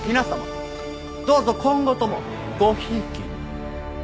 どうぞ今後ともごひいきに。